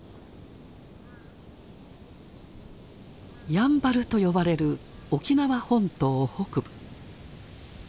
やんばると呼ばれる沖縄本島北部。